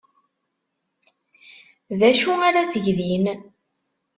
D acu ara teg din?